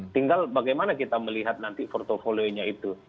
tinggal bagaimana kita melihat nanti portfolio nya itu